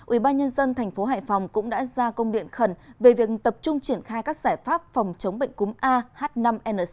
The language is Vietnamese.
ubnd tp hải phòng cũng đã ra công điện khẩn về việc tập trung triển khai các giải pháp phòng chống bệnh cúm ah năm n sáu